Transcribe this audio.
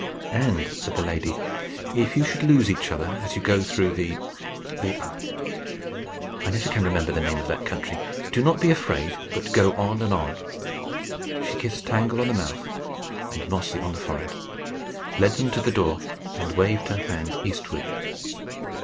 "And," said the lady, "if you should lose each other as you go through the the I never can remember the name of that country, do not be afraid, but go on and on." She kissed Tangle on the mouth and Mossy on the forehead, led them to the door, and waved her hand eastward.